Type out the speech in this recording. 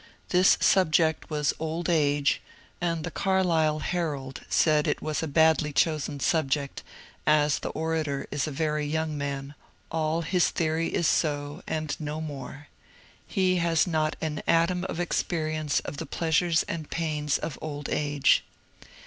This sub ject was " Old Age," and the " Carlisle Herald " said " it was a badly chosen subject ; as the orator is a very young man, all his theory is so, and no more. He has not an atom of experi ence of the pleasures and pains of old age."